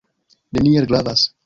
Neniel gravas.